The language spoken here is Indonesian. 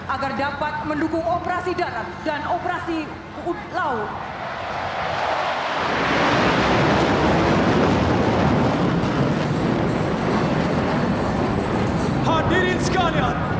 agar dapat mendukung operasi darat dan operasi laut